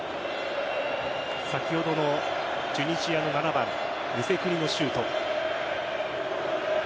先ほどのチュニジアの７番ムセクニのシュート。